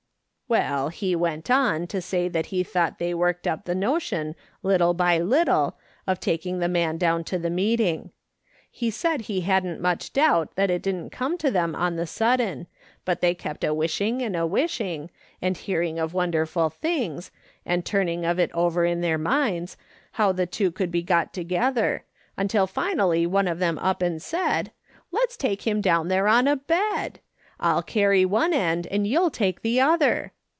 Well, he went on to say he thought they worked up the notion, little by little, of taking the man down to the meeting. He said he hadn't much doubt that it didn't come to them on the sudden, but they kept a wishing, and a wishing, and hearing of wonderful things, and turning of it over in their minds, how the two could be got together, imtil finally one of them up and said :' Let's take him down there on a bed ! I'll carry one end, if you '11 take the other.'